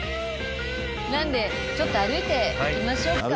なのでちょっと歩いて行きましょうか。